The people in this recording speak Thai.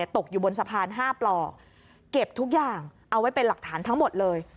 ตกอยู่บนสะพาน๕ปลอกเก็บทุกอย่างเอาไว้เป็นหลักฐานทั้งหมดเลย